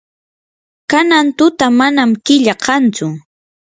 kanan tuta manam killa kantsu.